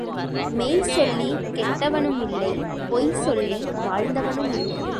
மெய்ச்சொல்லிக் கெட்டவனுமில்லை பொய்சொல்லி வாழ்ந்தவனுமில்லை.